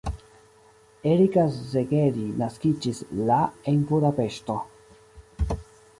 Erika Szegedi naskiĝis la en Budapeŝto.